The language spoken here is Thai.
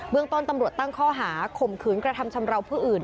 เมืองต้นตำรวจตั้งข้อหาข่มขืนกระทำชำราวผู้อื่น